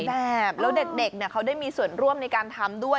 และเด็กใส่เค้าได้มีส่วนร่วมในการทำด้วย